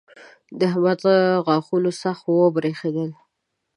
د احمد غاښونه سخت وبرېښېدل.